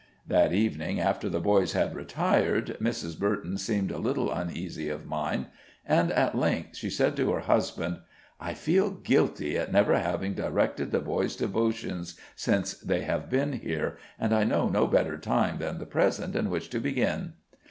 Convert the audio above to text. That evening, after the boys had retired, Mrs. Burton seemed a little uneasy of mind, and at length she said to her husband: "I feel guilty at never having directed the boys' devotions since they have been here, and I know no better time than the present in which to begin."